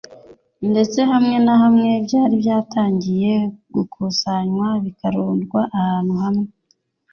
ndetse hamwe na hamwe byari byatangiye gukusanywa bikarundwa ahantu hamwe